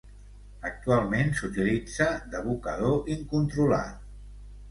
Actualment s'utilitza d'abocador incontrolat.